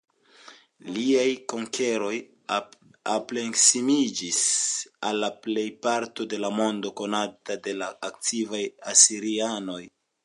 Liaj konkeroj ampleksiĝis al la plejparto de la mondo konata de la antikvaj asirianoj.